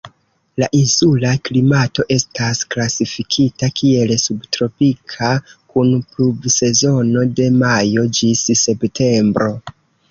La insula klimato estas klasifikita kiel subtropika, kun pluvsezono de majo ĝis septembro.